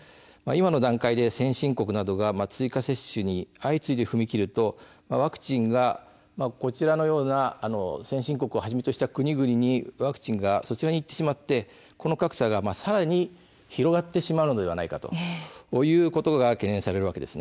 今の段階で先進国などが追加接種に相次いで踏み切るとワクチンが、こちらのような先進国をはじめとした国々にいってしまってこの格差がさらに広がってしまうのではないかということが懸念されるわけです。